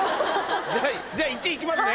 じゃあ１いきますね。